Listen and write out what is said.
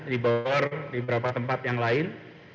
di bor di beberapa tempat yang lain